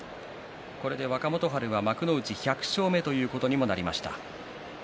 若元春は幕内１００勝目ということにもなりました。